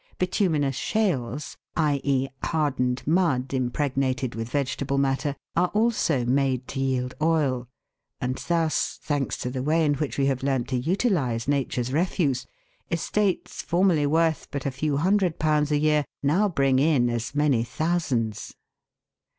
Bituminous shales i.e., hardened mud im pregnated with vegetable matter are also made to yield oil, and thus, thanks to the way in which we have learnt to utilise nature's refuse, estates formerly worth but a few hun dred pounds a year, now bring in as many thousands.